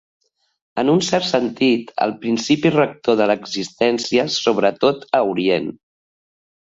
En un cert sentit, el principi rector de l'existència, sobretot a Orient.